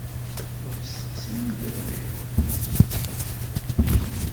Ruḥ steqsi win tebɣiḍ!